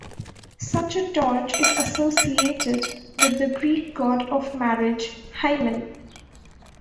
Such a torch is associated with the Greek god of marriage Hymen.